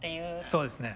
そうですね。